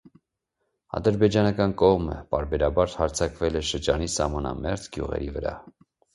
Ադրբեջանական կողմը պարբերաբար հարձակվել է շրջանի սահմանամերձ գյուղերի վրա։